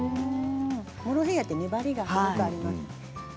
モロヘイヤって粘りがすごくあります。